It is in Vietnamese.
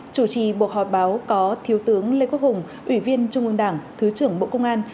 chủ trì cuộc họp báo có thiếu tướng lê quốc hùng ủy viên trung ương đảng thứ trưởng bộ công an